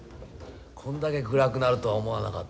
こんだけ暗くなるとは思わなかった。